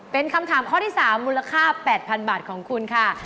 เป็นคำถามข้อที่๓มูลค่า๘๐๐๐บาทของคุณค่ะ